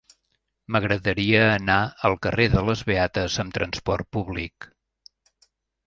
M'agradaria anar al carrer de les Beates amb trasport públic.